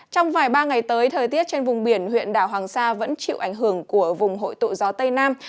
trong vài ba ngày tới thời tiết trên vùng biển huyện đảo hoàng sa vẫn chịu ảnh hưởng của vùng hội tụ gió tây nam